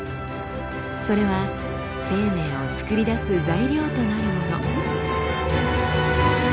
それは生命をつくり出す材料となるもの。